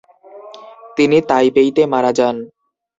তিনি তাইপেইতে মারা যান।